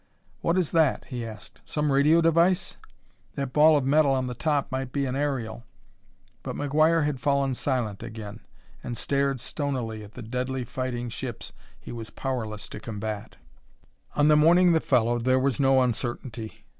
"What is that?" he asked, " some radio device? That ball of metal on the top might be an aerial." But McGuire had fallen silent again, and stared stonily at the deadly fighting ships he was powerless to combat. On the morning that followed, there was no uncertainty.